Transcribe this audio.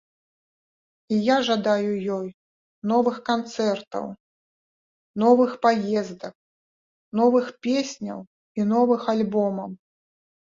І я жадаю ёй новых канцэртаў, новых паездак, новых песняў і новых альбомаў.